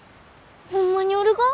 ホンマにおるが？